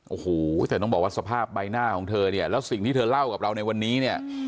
โอ้โหแต่ต้องบอกว่าสภาพใบหน้าของเธอเนี่ยแล้วสิ่งที่เธอเล่ากับเราในวันนี้เนี่ย